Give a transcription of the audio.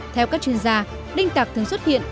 theo các chuyên gia đinh tặc thường xuất hiện